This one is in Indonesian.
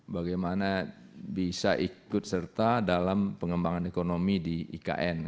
bagaimana bisa ikut serta dalam pengembangan ekonomi di ikn